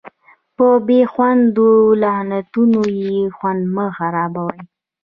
په بې خوندو لغتونو یې خوند مه خرابوئ.